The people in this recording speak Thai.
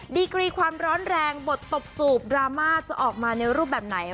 ดีกรีความร้อนแรงบทตบจูบดราม่าจะออกมาในรูปแบบไหน